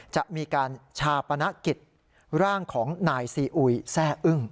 จะมีการชาปนกิจร่างของนายซีอุยแซ่อึ้ง